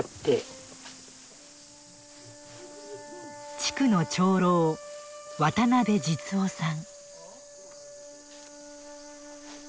地区の長老渡邉實夫さん。